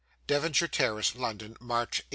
DEVONSHIRE TERRACE, LONDON, March, 1841.